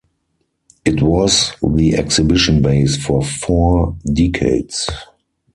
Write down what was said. It was the exhibition base for four decades.